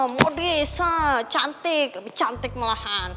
modis cantik cantik malahan